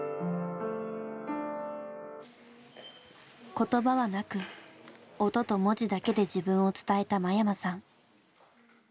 言葉はなく音と文字だけで自分を伝えた間山さん。